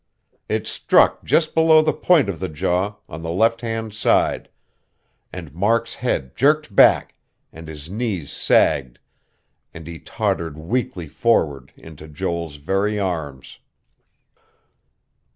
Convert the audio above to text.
It struck just behind the point of the jaw, on the left hand side; and Mark's head jerked back, and his knees sagged, and he tottered weakly forward into Joel's very arms.